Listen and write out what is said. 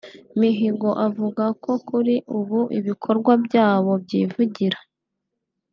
Mihigo avuga ko kuri ubu ibikorwa byabo byivugira